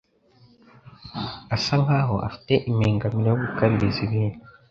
Asa nkaho afite impengamiro yo gukabiriza ibintu.